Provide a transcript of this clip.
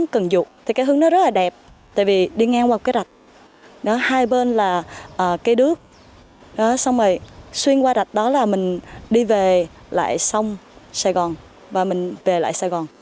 cái đứt xuyên qua đạch đó là mình đi về lại sông sài gòn và mình về lại sài gòn